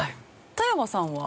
田山さんは？